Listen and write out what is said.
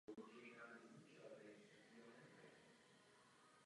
Japonská verze byla prodávána pod značkou Kick Rock Music.